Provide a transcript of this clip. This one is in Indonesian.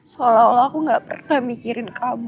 seolah olah aku gak pernah mikirin kamu